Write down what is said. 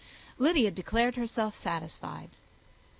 Lydia declared herself satisfied.